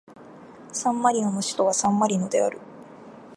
サンマリノの首都はサンマリノである